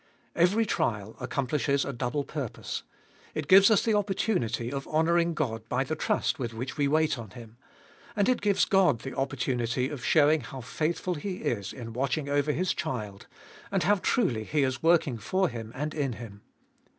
Every trial accom plishes a double purpose. It gives us the opportunity of honour ing God by the trust with which we wait on Him. And it gives God the opportunity of showing how faithful He is in watching over His child, and how truly He is working for him and in him.